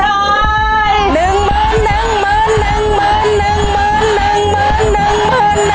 หนึ่งหมื่นหนึ่งหมื่นหนึ่งหมื่นหนึ่งหมื่นหนึ่งหมื่นหนึ่งหมื่นหนึ่งหมื่น